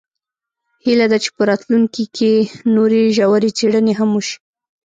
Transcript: هیله ده چې په راتلونکي کې نورې ژورې څیړنې هم وشي